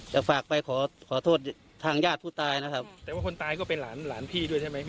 อยากฝากไปขอขอโทษทางญาติผู้ตายนะครับแต่ว่าคนตายก็เป็นหลานหลานพี่ด้วยใช่ไหมพี่